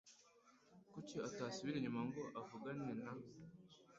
Kuki utasubira inyuma ngo uvugane na ?